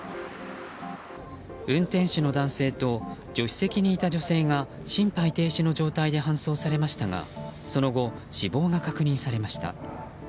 運転手の男性と助手席にいた女性が心肺停止の状態で搬送されましたがその後、死亡が確認されました。